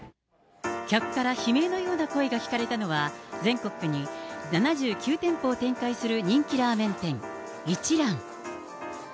客から悲鳴のような声が聞かれたのは、全国に７９店舗を展開する人気ラーメン店、一蘭。